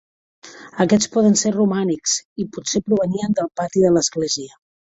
Aquests poden ser romànics i potser provenien del pati de l'església.